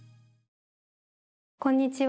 こんにちは。